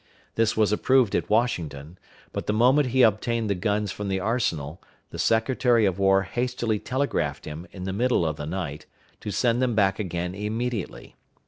This was approved at Washington; but the moment he obtained the guns from the arsenal, the Secretary of War hastily telegraphed him, in the middle of the night, to send them back again immediately.